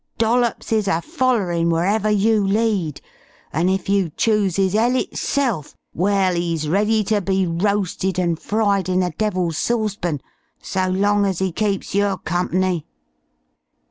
Dollops is a follerin' wherever you lead, and if you chooses 'ell itself, well, 'e's ready ter be roasted and fried in the devil's saucepan, so long as 'e keeps yer company."